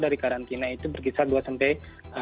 dari karantina itu berkisar dua sampai